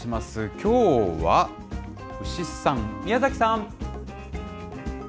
きょうは牛さん、宮崎さん？